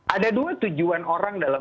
ada dua tujuan orang dalam